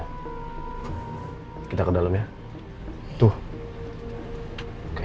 ingat kita markslinknya quedung water